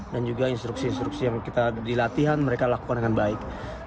dan juga instruksi instruksi yang kita dilatihan mereka lakukan dengan baik